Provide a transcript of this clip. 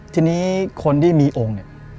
ทีนี้คนที่มีองค์